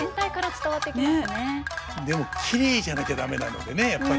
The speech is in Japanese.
でもきれいじゃなきゃ駄目なのでねやっぱり。